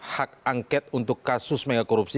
hak angket untuk kasus mega korupsi